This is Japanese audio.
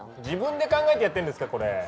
自分で考えてやってんですかこれ？